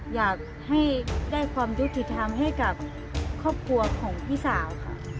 อยากให้ได้ความยุติธรรมให้กับครอบครัวของพี่สาวค่ะ